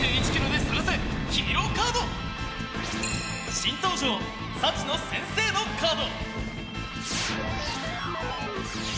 新登場！さちの先生のカード！